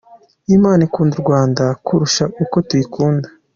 Imana ikunda u Rwanda kurusha uko tuyikunda.